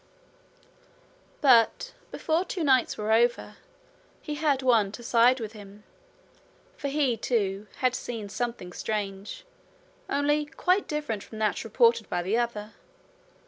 But before two nights were over he had one to side with him, for he, too, had seen something strange, only quite different from that reported by the other.